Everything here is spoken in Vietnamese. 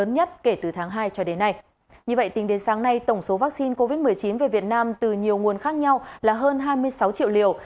như vậy tính đến sáng nay tổng số vaccine covid một mươi chín về việt nam từ nhiều nguồn khác nhau là hơn hai mươi sáu triệu liều